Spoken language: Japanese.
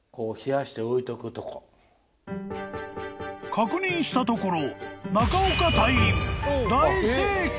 ［確認したところ］